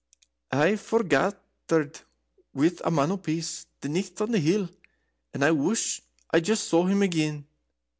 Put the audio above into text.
"I forgathered with a Man o' Peace the nicht on the hill, and I wush I just saw him again."